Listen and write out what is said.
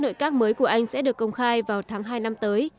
nội các mới của anh sẽ được công khai vào tháng hai năm tới